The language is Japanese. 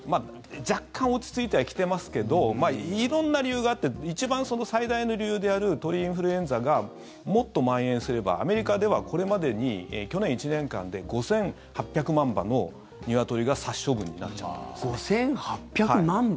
若干落ち着いてはきてますが色んな理由があって一番、最大の理由である鳥インフルエンザがもっとまん延すればアメリカではこれまでに去年１年間で５８００万羽のニワトリが５８００万羽？